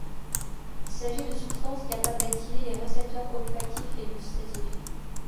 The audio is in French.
Il s'agit de substances capables d'activer les récepteurs olfactifs et gustatifs.